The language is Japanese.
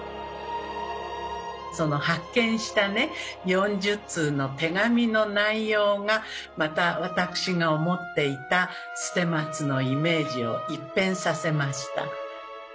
その発見した４０通の手紙の内容がまた私が思っていた捨松のイメージを一変させました。